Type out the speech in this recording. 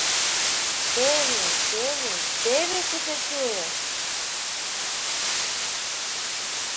Теве, теве, теве кузе кӱлеш!